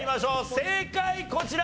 正解こちら。